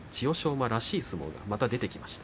馬らしい相撲が出てきました。